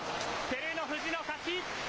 照ノ富士の勝ち。